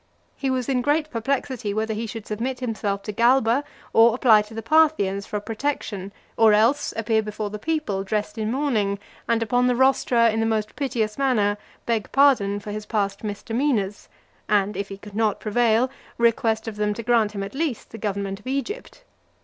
he was in great perplexity whether he should submit himself to Galba, or apply to the Parthians for protection, or else appear before the people dressed in mourning, and, upon the rostra, in the most piteous manner, beg pardon for his past misdemeanors, and, if he could not prevail, request of them to grant him at least the government of Egypt.